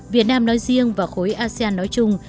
việt nam nói riêng và khối asean nói chung